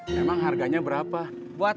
memang harganya berapa buat